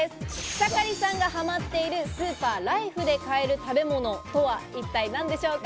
草刈さんがはまっているスーパーライフで買える食べ物とは、一体何でしょうか？